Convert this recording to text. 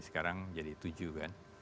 sekarang jadi tujuh kan